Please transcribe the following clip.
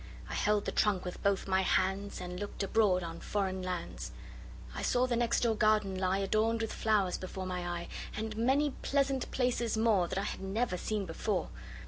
I held the trunk with both my handsAnd looked abroad on foreign lands.I saw the next door garden lie, Adorned with flowers, before my eye, And many pleasant places moreThat I had never seen before.